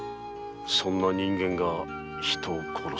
そんな人間が人を殺すか。